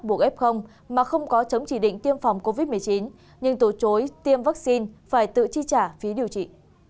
buộc ép không mà không có chống chỉ định tiêm phòng covid một mươi chín nhưng tổ chối tiêm vaccine phải tự chi trả phí điều trị